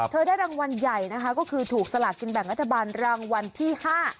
ได้รางวัลใหญ่นะคะก็คือถูกสลากกินแบ่งรัฐบาลรางวัลที่ห้า